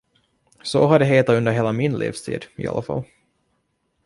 Så har det hetat under hela min livstid, i alla fall.